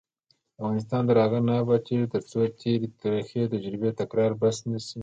افغانستان تر هغو نه ابادیږي، ترڅو د تېرې تروخې تجربې تکرار بس نه شي.